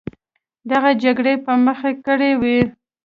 دغه جګړې یې په مخه کړې وې.